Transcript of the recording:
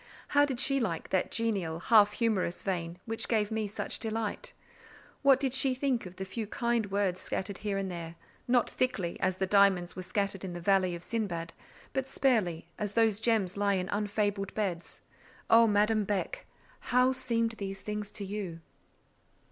How did she like that genial, half humorous vein, which to me gave such delight? What did she think of the few kind words scattered here and there—not thickly, as the diamonds were scattered in the valley of Sindbad, but sparely, as those gems lie in unfabled beds? Oh, Madame Beck! how seemed these things to you?